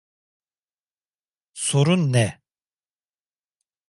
Sorun ne?